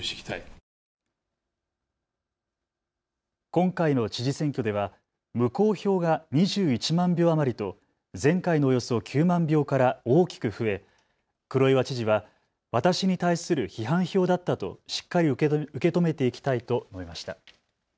今回の知事選挙では無効票が２１万票余りと前回のおよそ９万票から大きく増え黒岩知事は私に対する批判票だったとしっかり受け止めていきたいと述べました。